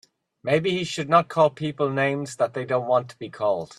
Maybe he should not call people names that they don't want to be called.